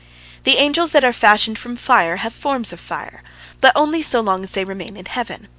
The angels that are fashioned from fire have forms of fire, but only so long as they remain in heaven.